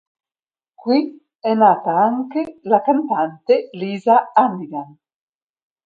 Qui è nata anche la cantante Lisa Hannigan.